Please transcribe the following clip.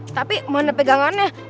tapi mana pegangannya